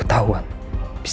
kalau tetap disini